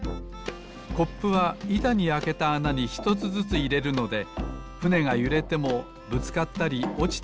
コップはいたにあけたあなにひとつずついれるのでふねがゆれてもぶつかったりおちたりしません。